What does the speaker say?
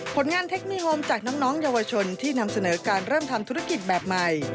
ผลงานเทคนิโฮมจากน้องเยาวชนที่นำเสนอการเริ่มทำธุรกิจแบบใหม่